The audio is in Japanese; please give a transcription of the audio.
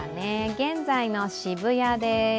現在の渋谷です。